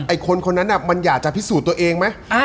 คนคนนั้นมันอยากจะพิสูจน์ตัวเองไหม